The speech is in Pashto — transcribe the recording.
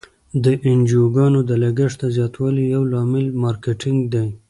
د انجوګانو د لګښت د زیاتوالي یو لامل مارکیټینګ دی.